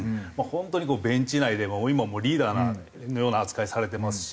本当にベンチ内でも今もうリーダーのような扱いされてますし。